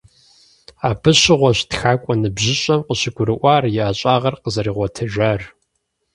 Абы щыгъуэщ тхакӀуэ ныбжьыщӀэм къыщыгурыӀуар и ӀэщӀагъэр къызэригъуэтыжар.